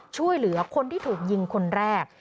ช่วยเหลือคนที่ถูกยิงคนแรก